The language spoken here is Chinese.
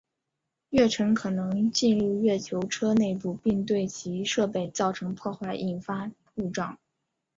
月尘可能进入月球车内部并对其设备造成破坏引发故障。